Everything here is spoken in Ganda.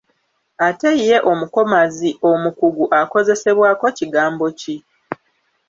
Ate ye omukomazi omukugu akozesebwako kigambo ki?